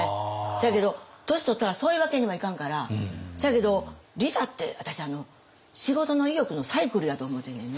せやけど年とったらそういうわけにはいかんからせやけど利他って私仕事の意欲のサイクルやと思うてんねんね。